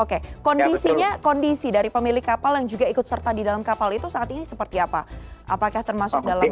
oke kondisinya kondisi dari pemilik kapal yang juga ikut serta di dalam kapal itu saat ini seperti apa apakah termasuk dalam